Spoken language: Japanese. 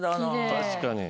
確かに。